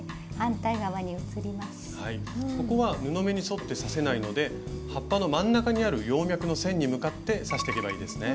はいここは布目に沿って刺せないので葉っぱの真ん中にある葉脈の線に向かって刺していけばいいですね。